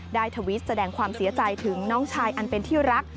ทวิตแสดงความเสียใจถึงน้องชายอันเป็นที่รัก